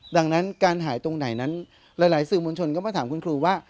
ดังนั้นการหายตรงไหนนั้นหลายสื่อมวลชนก็มาถามคุณครูว่า